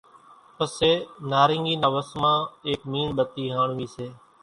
پسي نارينگي نا وس مان ايڪ ميڻ ٻتي ھاڻوي سي